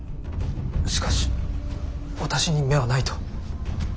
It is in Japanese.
しかし私に目はないと。